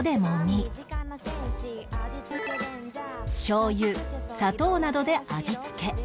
しょうゆ砂糖などで味付け